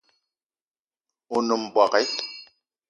O nem mbogue